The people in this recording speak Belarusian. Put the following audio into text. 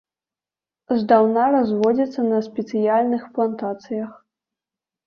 Здаўна разводзіцца на спецыяльных плантацыях.